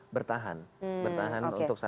bertahan bertahan untuk